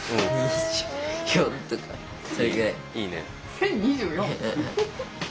１０２４？